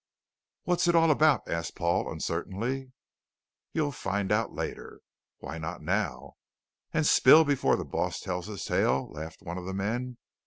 "What's it all about?" asked Paul uncertainly. "You'll find out later." "Why not now?" "And spill before the boss tells his tale?" laughed one of the men.